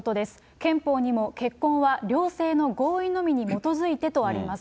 憲法にも結婚は両性の合意のみに基づいてとあります。